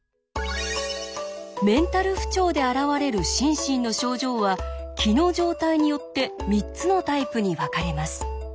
メンタル不調で現れる心身の症状は気の状態によって３つのタイプに分かれます。